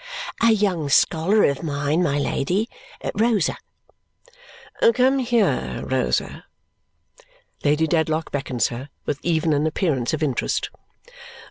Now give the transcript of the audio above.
"A young scholar of mine, my Lady. Rosa." "Come here, Rosa!" Lady Dedlock beckons her, with even an appearance of interest.